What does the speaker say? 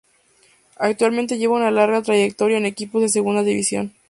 Actualmente lleva una larga trayectoria en equipos de segunda division.